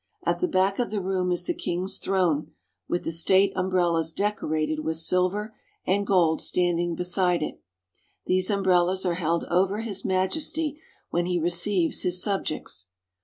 At the back of the room is the king's throne, with the state umbrellas decorated with silver and gold standing beside it. These umbrellas are held over His Majesty when he receives his subjects.